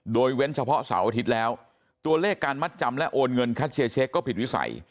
โดยเว้นเฉพาะเสาร์อาทิตย์แล้วตัวเลขการมัดจำและโอนเงินคัชเชียร์เช็คก็ผิดวิสัย